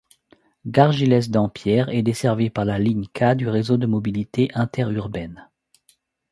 Gargilesse-Dampierre est desservie par la ligne K du Réseau de mobilité interurbaine.